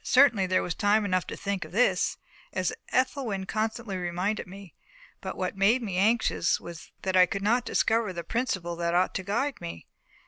Certainly there was time enough to think of this, as Ethelwyn constantly reminded me; but what made me anxious was that I could not discover the principle that ought to guide me.